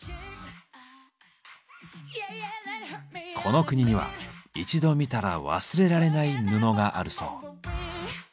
この国には一度見たら忘れられない布があるそう。